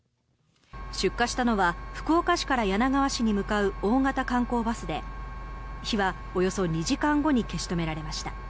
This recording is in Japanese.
出火したのは福岡市から柳川市に向かう大型観光バスで火はおよそ２時間後に消し止められました。